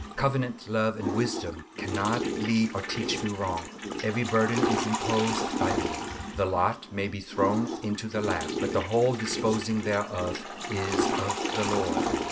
Covenant love and wisdom cannot lead or teach me wrong; every burden is imposed by Thee. The lot may be thrown into the lap, but the whole disposing thereof is of the Lord.